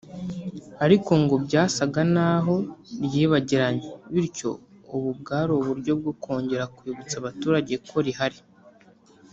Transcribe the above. ariko ngo byasaga n’aho ryibagiranye bityo ubu bwari uburyo bwo kongera kwibutsa abaturage ko rihari